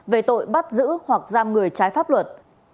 về tội bắt giữ hoặc giam người trái pháp luật